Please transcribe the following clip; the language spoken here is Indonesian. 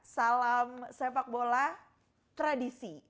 salam sepak bola tradisi